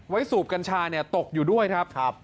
สูบกัญชาตกอยู่ด้วยครับ